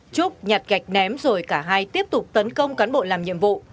trúc nhặt gạch ném rồi cả hai tiếp tục tấn công cán bộ làm nhiệm vụ